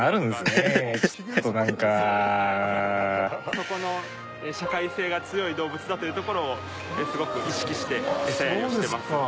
そこの社会性が強い動物だというところをすごく意識してエサやりをしてます。